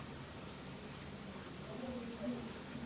พวกเขาถ่ายมันตรงกลาง